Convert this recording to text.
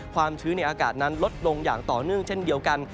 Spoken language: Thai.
ความชื้นในอากาศนั้นลดลงอย่างต่อเนื่องเช่นเดียวกัน